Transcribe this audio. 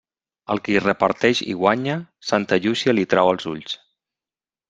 Al qui reparteix i guanya, santa Llúcia li trau els ulls.